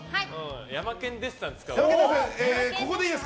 ヤマケン・デッサン使うわ。